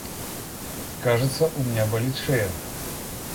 Кажется, у меня болит шея...